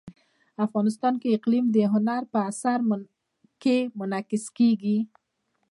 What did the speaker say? افغانستان کې اقلیم د هنر په اثار کې منعکس کېږي.